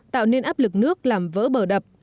tạo nên áp lực nước làm vỡ bờ đập